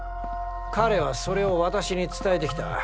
彼はそれを私に伝えてきた。